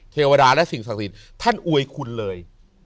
เทวดาและสิ่งศักดิ์สิทธิ์ท่านอวยคุณเลย